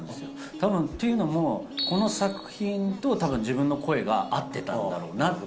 たぶん、というのも、この作品とたぶん、自分の声が合ってたんだろうなと。